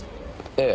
ええ。